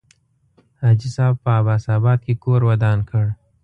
حاجي صاحب په عباس آباد کې کور ودان کړ.